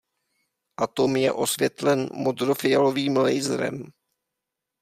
Atom je osvětlen modrofialovým laserem.